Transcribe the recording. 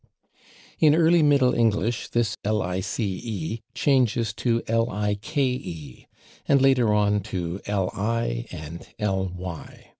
In early Middle English this / lice/ changes to / like/, and later on to / li/ and / ly